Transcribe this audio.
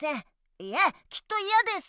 いえきっといやです。